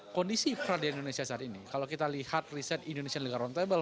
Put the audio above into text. kondisi peradilan indonesia saat ini kalau kita lihat riset indonesia negara roundtable